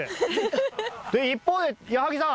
一方で矢作さん